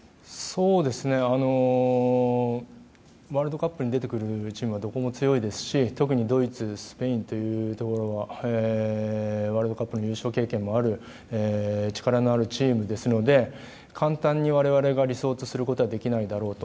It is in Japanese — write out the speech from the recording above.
ワールドカップに出てくるチームはどこも強いですし特にドイツ、スペインはワールドカップの優勝経験もある力のあるチームですので簡単に我々が理想とすることはできないだろうと。